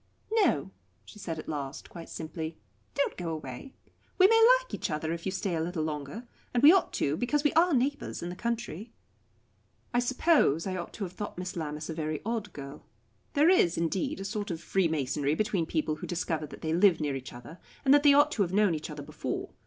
"No," she said at last, quite simply, "don't go away. We may like each other, if you stay a little longer and we ought to because we are neighbours in the country." I suppose I ought to have thought Miss Lammas a very odd girl. There is, indeed, a sort of freemasonry between people who discover that they live near each other, and that they ought to have known each other before.